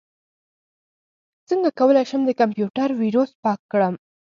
څنګه کولی شم د کمپیوټر ویروس پاک کړم